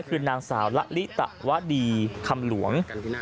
คือนางสาวละลิตะวดีคำหลวง